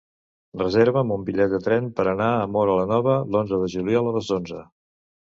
Reserva'm un bitllet de tren per anar a Móra la Nova l'onze de juliol a les onze.